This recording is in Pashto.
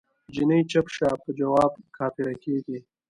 جینی چپ شه په جواب کافره کیږی